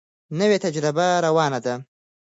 نوې تجربه روانه ده.